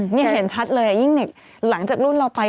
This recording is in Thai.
นี่เห็นชัดเลยยิ่งหลังจากรุ่นเราไป